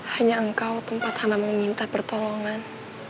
hanya engkau tempat abah mau minta pertolongan